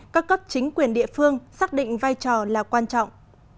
các cấp chính quyền địa phương xác định vai trò là quan trọng